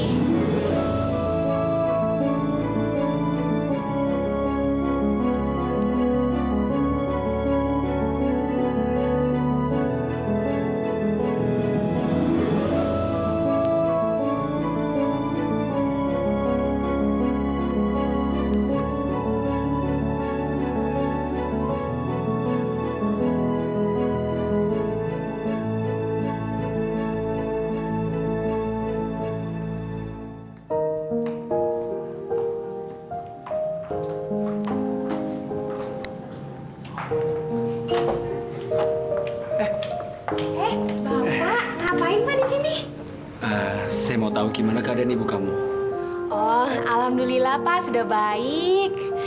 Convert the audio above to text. eh eh bapak ngapain di sini saya mau tahu gimana keadaan ibu kamu oh alhamdulillah pak sudah baik